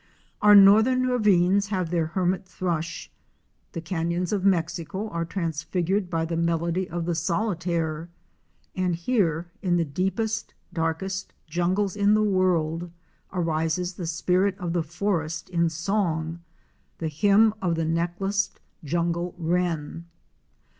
Our northern ravines have their Hermit Thrush; the can yons of Mexico are transfigured by the melody of the Solitaire and here in the deepest, darkest jungles in the world arises the spirit of the forest in song — the hymn of the Necklaced Jungle Wren.